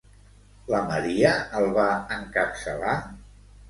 La Maria el va encapçalar?